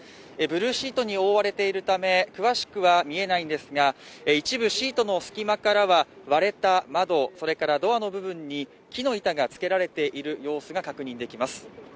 ブルーシートに覆われているため、詳しくは見えないんですが、一部シートの隙間からは割れた窓、それからドアの部分に木の板がつけられている様子が確認できます。